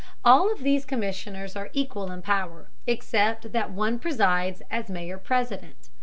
All of these commissioners are equal in power, except that one presides as mayor president.